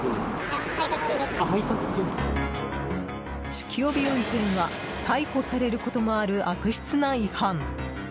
酒気帯び運転は逮捕されることもある悪質な違反。